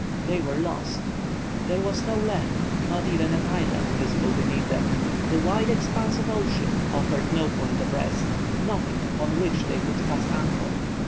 They were lost! There was no land, not even an island, visible beneath them. The wide expanse of ocean offered no point of rest, nothing upon which they could cast anchor.